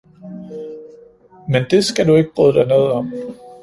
Men det skal du ikke bryde dig noget om!